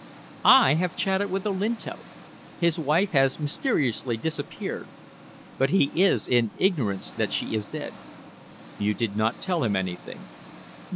"I have chatted with Olinto. His wife has mysteriously disappeared, but he is in ignorance that she is dead." "You did not tell him anything?"